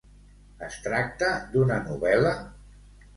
Es tracta d'una novel·la?